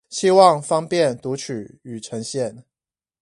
希望方便讀取與呈現